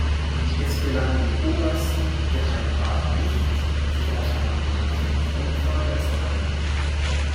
Es gelang dem Obersten Geheimen Rat nicht, sich auf einen männlichen Thronfolger zu einigen.